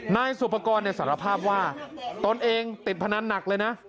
นายสุภกรณ์สารภาพว่าตนเองติดพนันหนักเลยนะ